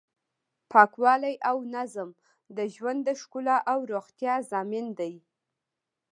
پاکوالی او نظم د ژوند د ښکلا او روغتیا ضامن دی.